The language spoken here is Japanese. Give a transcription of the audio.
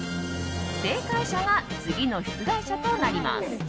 正解者が次の出題者となります。